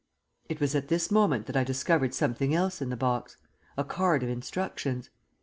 It was at this moment that I discovered something else in the box a card of instructions.